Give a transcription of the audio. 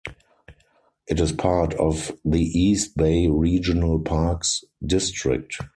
It is part of the East Bay Regional Parks District.